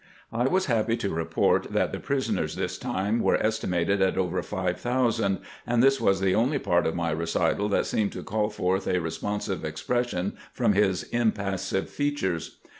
" I was happy to report that the prisoners this time were estimated at over five thousand, and this was the only part of my recital that seemed to call forth a responsive expression from his impassive features.